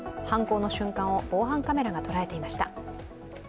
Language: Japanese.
犯行の瞬間を防犯カメラが捉えていました。